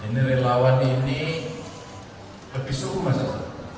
ini relawan ini lebih suhu mas